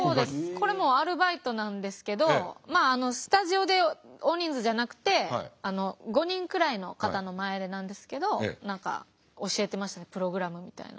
これもアルバイトなんですけどまあスタジオで大人数じゃなくて５人くらいの方の前でなんですけど何か教えてましたねプログラムみたいな。